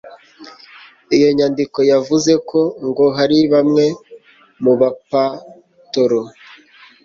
iyo nyandiko yavuze ko ngo hari bamwe mu ba patoro